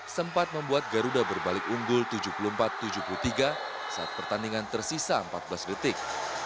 sempat membuat garuda berbalik unggul tujuh puluh empat tujuh puluh tiga saat pertandingan tersisa empat belas detik